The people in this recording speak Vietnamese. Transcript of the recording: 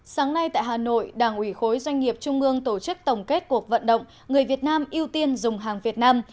sáng nay tại hà nội đảng ủy khối doanh nghiệp trung ương tổ chức tổng kết cuộc vận động người việt nam ưu tiên dùng hàng việt nam